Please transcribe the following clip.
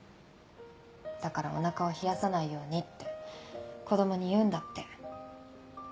だからお腹を冷やさないようにって子供に言うんだって。